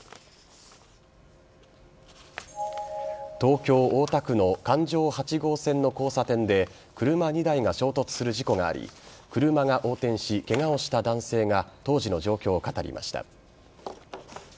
東京・大田区の環状８号線の交差点で車２台が衝突する事故があり車が横転し、ケガをした男性が当時の状況を語りました。